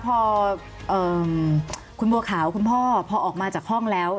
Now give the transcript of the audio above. พอคุณบัวขาวคุณพ่อพอออกมาจากห้องแล้ว